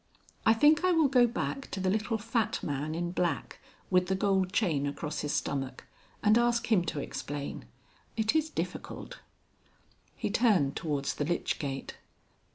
I think I will go back to the little fat man in black, with the gold chain across his stomach, and ask him to explain. It is difficult." He turned towards the lych gate.